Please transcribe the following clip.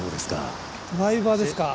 ドライバーですか。